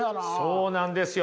そうなんですよ。